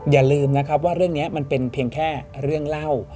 อย่าลืมนะครับว่าเรื่องนี้มันเป็นเพียงแค่เรื่องเล่า